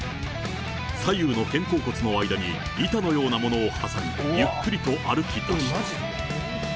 左右の肩甲骨の間に板のようなものを挟み、ゆっくりと歩きだした。